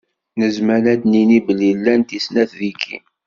Nezmer ad d-nini belli llant i snat tigi.